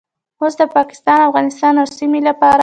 اوس د پاکستان، افغانستان او سیمې لپاره